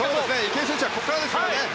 池江選手はここからですね。